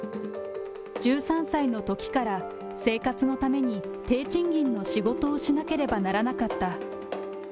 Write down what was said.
１３歳のときから、生活のために低賃金の仕事をしなければならなかった。